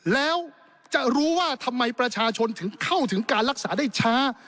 แล้วจะรู้ว่าทำไมประชาชนถึงเข้าถึงการรักษาได้ช้า